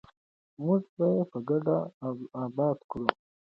موږ به یې په ګډه اباد کړو.